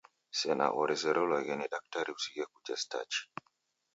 Sena orezereloghe ni daktari usighe kuja stachi.